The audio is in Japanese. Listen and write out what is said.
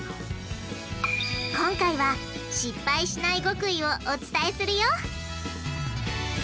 今回は失敗しない極意をお伝えするよ！